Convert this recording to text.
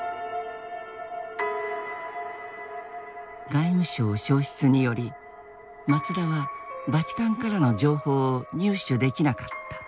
外務省焼失により松田はバチカンからの情報を入手できなかった。